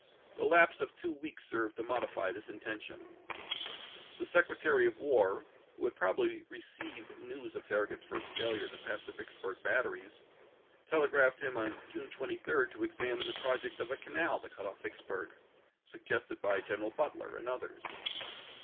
The lapse of two weeks served to modify this intention. The Secre tary of War, who had probably received news of Farragut's first failure to pass the Vickburg batter stanton t<. ies, telegraphed him on June 23 to examine the f^e^^: project of a canal to cut off Vicksburg, suggested vol xvir.', by General Butler and others.